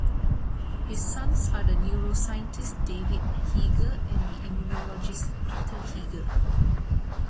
His sons are the neuroscientist David Heeger and the immunologist Peter Heeger.